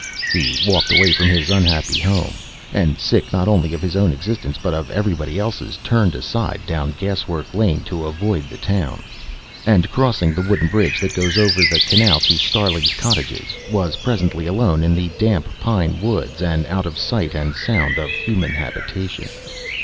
He walked away from his unhappy home, and, sick not only of his own existence but of everybody else's, turned aside down Gaswork Lane to avoid the town, and, crossing the wooden bridge that goes over the canal to Starling's Cottages, was presently alone in the damp pine woods and out of sight and sound of human habitation.